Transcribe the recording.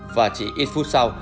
và chỉ ít phút sau